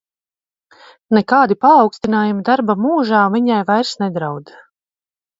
Nekādi paaugstinājumi darba mūžā viņai vairs nedraud.